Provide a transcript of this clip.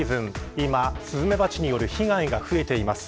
今、スズメバチによる被害が増えています。